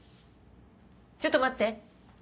ちょっと待って。